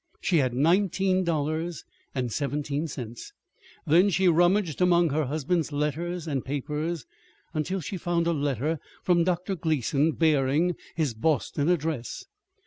She had nineteen dollars and seventeen cents. Then she rummaged among her husband's letters and papers until she found a letter from Dr. Gleason bearing his Boston address.